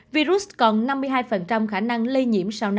virus còn năm mươi hai khả năng lây nhiễm sau năm